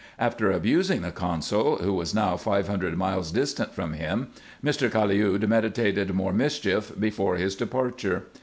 After abusing the consul, who was now five hundred miles distant from him, Mr. Caliud meditated more mischief before liis departure.